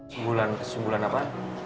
sebulan sebulan apa